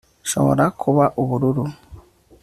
nshobora kuba ubururu